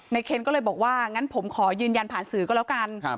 เคนก็เลยบอกว่างั้นผมขอยืนยันผ่านสื่อก็แล้วกัน